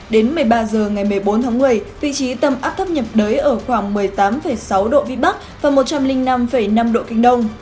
đến một mươi ba h ngày một mươi bốn tháng một mươi vị trí tâm áp thấp nhiệt đới ở khoảng một mươi tám sáu độ vĩ bắc và một trăm linh năm năm độ kinh đông